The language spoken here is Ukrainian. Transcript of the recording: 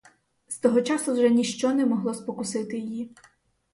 З того часу вже ніщо не могло спокусити її.